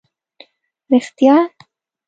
رېښتیا؟!